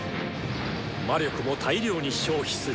魔力も大量に消費する。